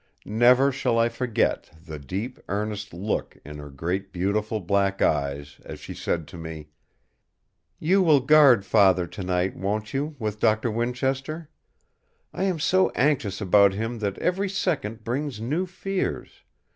Never shall I forget the deep, earnest look in her great, beautiful black eyes as she said to me: "You will guard Father tonight, won't you, with Doctor Winchester? I am so anxious about him that every second brings new fears.